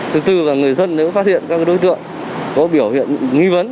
thứ tư là người dân nếu phát hiện các đối tượng có biểu hiện nghi vấn